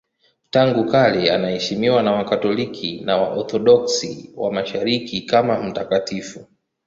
Tangu kale anaheshimiwa na Wakatoliki na Waorthodoksi wa Mashariki kama mtakatifu.